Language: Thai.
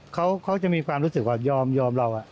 เขาจะมีความรู้สึกว่ายอมเรา